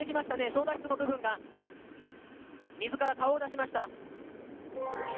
操舵室の部分が水から顔を出しました。